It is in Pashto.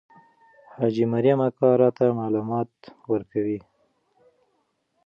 حاجي مریم اکا راته معلومات ورکوي.